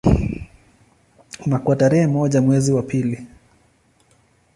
Na kwa tarehe moja mwezi wa pili